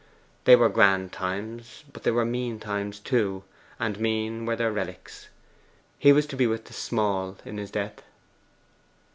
They were grand times, but they were mean times too, and mean were their relics. He was to be with the small in his death.